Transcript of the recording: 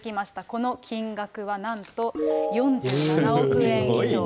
この金額はなんと４７億円以上。